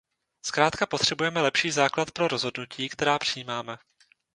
Zkrátka potřebujeme lepší základ pro rozhodnutí, která přijímáme.